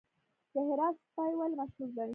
د هرات سپي ولې مشهور دي؟